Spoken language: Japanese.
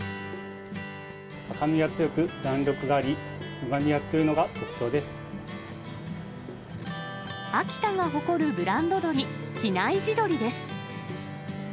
赤みが強く、弾力があり、秋田が誇るブランド鶏、比内地鶏です。